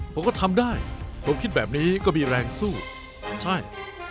ผมก็ทำได้ผมคิดแบบนี้ก็มีแรงสู้ใช่